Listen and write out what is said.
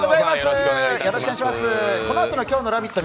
このあとの今日の「ラヴィット！」